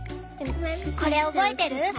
これ覚えてる？